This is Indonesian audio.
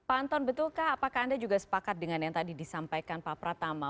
pak anton betulkah apakah anda juga sepakat dengan yang tadi disampaikan pak pratama